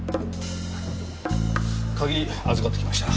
鍵預かってきました。